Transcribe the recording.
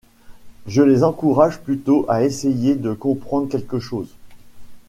Je les encourage plutôt à essayer de comprendre quelque chose.